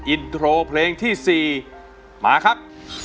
อินโทรเพลงที่๔มาครับ